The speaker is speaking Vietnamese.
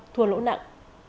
thua lỗ nặng